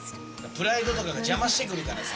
プライドとかが邪魔してくるからさ。